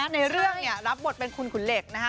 ในเรื่องรับบทเป็นคุณขุนเหล็กนะฮะ